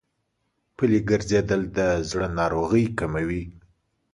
پلي ګرځېدل د زړه ناروغۍ کموي.